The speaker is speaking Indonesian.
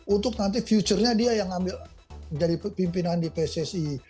untuk nanti future nya dia yang ambil jadi pimpinan di pssi